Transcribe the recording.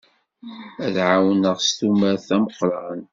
Ad ɛawneɣ s tumert tameqrant.